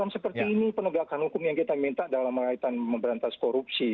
seperti ini penegakan hukum yang kita minta dalam mengaitan memberantas korupsi